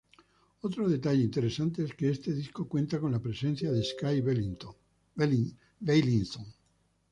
Otro detalle interesante es que este disco cuenta con la presencia de Skay Beilinson.